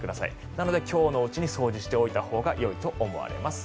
なので、今日のうちに掃除しておいてほうがよいと思われます。